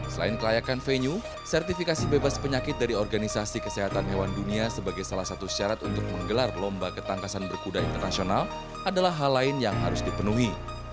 selain kelayakan venue sertifikasi bebas penyakit dari organisasi kesehatan hewan dunia sebagai salah satu syarat untuk menggelar lomba ketangkasan berkuda internasional adalah hal lain yang harus dipenuhi